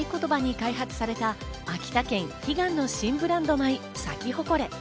それを合言葉に開発された秋田県悲願の新ブランド米・サキホコレ。